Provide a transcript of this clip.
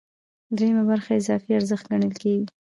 درېیمه برخه اضافي ارزښت ګڼل کېږي